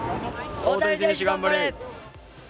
大谷選手頑張れ！